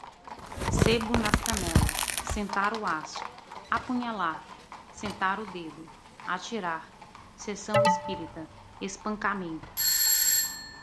sebo nas canelas, sentar o aço, apunhalar, sentar o dedo, atirar, sessão espírita, espancamento